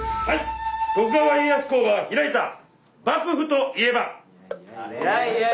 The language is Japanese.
徳川家康公が開いた幕府といえば？